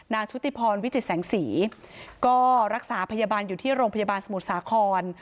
ชุติพรวิจิตแสงสีก็รักษาพยาบาลอยู่ที่โรงพยาบาลสมุทรสาคร